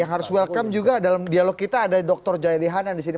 yang harus welcome juga dalam dialog kita ada dr jayadi hanan di sini